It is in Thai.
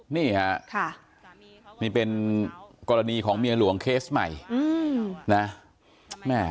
นี่ค่ะนี่เป็นกรณีของเมียหลวงเคสใหม่นะแม่